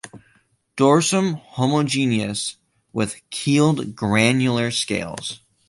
Dorsum homogeneous with keeled granular scales.